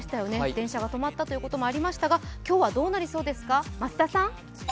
電車が止まったということもありましたが今日はどうなりましたか？